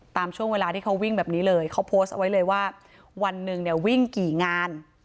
ตามช่วงเวลาที่เขาวิ่งแบบนี้เลยเขาโพสต์เอาไว้เลยว่าวันหนึ่งเนี่ยวิ่งกี่งาน